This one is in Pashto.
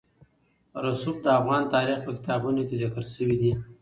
رسوب د افغان تاریخ په کتابونو کې ذکر شوي دي.